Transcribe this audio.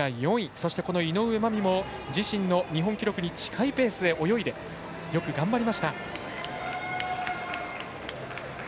そしてこの井上舞美も自身の日本記録に近いペースで泳いでよく頑張りました。